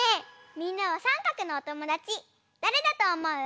みんなはさんかくのおともだちだれだとおもう？